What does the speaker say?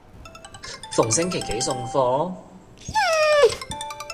逢星期幾送貨？